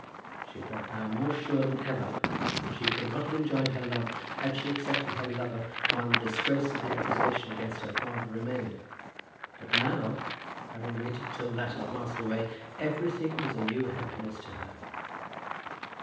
She felt now more sure than ever that she could not have enjoyed her love had she accepted her lover while the disgrace of the accusation against her father remained. But now, having waited till that had passed away, everything was a new happiness to her.